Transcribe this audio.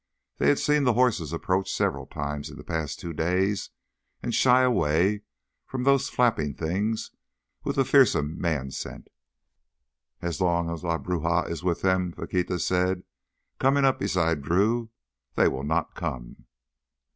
They had seen the horses approach several times in the past two days and shy away from those flapping things with the fearsome man scent. "As long as La Bruja is with them," Faquita said, coming up beside Drew, "they will not come."